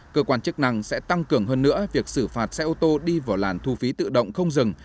cơ quan chức năng sẽ tăng cường hơn nữa việc xử phạt xe ô tô đi vào làn thu phí tự động không dừng